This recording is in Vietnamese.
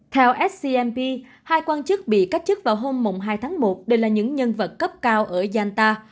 theo scmp hai quan chức bị cách chức vào hôm hai tháng một đều là những nhân vật cấp cao ở yanta